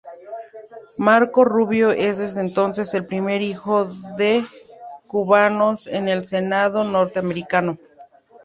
Marco Rubio es desde entonces el primer hijo de cubanos en el Senado Norteamericano.